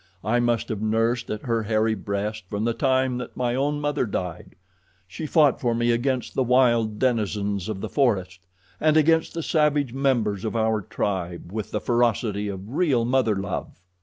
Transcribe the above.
I must have nursed at her hairy breast from the time that my own mother died. She fought for me against the wild denizens of the forest, and against the savage members of our tribe, with the ferocity of real mother love.